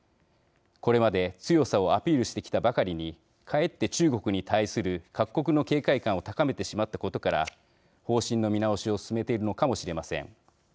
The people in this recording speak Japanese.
これまで、強さをアピールしてきたばかりにかえって中国に対する各国の警戒感を高めてしまったことから方針の見直しを進めているのかもしれません。